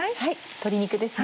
鶏肉ですね。